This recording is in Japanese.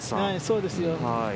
そうですよ。